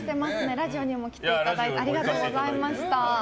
ラジオにも来ていただいてありがとうございました。